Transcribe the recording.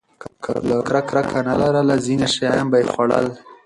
که پلرونه کرکه نه لرله، ځینې شیان به یې خوړل.